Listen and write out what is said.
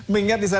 mengingat di sana